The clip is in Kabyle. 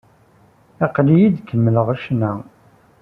Aql-iyi ad kemmleɣ ccna.